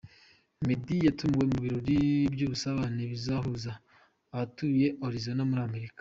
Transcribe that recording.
Meddy yatumiwe mu birori by’ubusabane bizahuza abatuye Arizona muri Amerika .